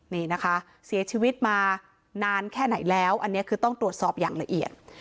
นี่นะคะเสียชีวิตมานานแค่ไหนแล้วอันนี้คือต้องตรวจสอบอย่างละเอียด